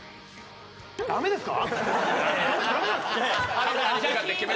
ダメですか？